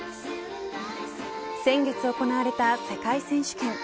先月行われた世界選手権。